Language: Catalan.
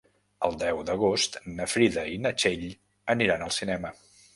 El deu d'agost na Frida i na Txell aniran al cinema.